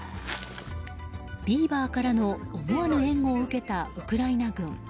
ビーバーからの思わぬ援護を受けたウクライナ軍。